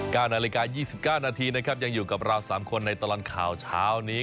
ก้านหลิกา๒๙นาทีนะครับยังอยู่กับเรา๓คนในตลอดข่าวเช้านี้